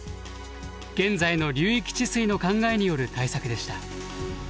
現在の流域治水の考えによる対策でした。